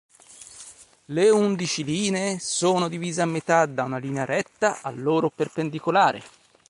Le undici linee sono divise a metà da una linea retta a loro perpendicolare.